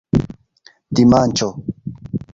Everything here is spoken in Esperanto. dimanĉo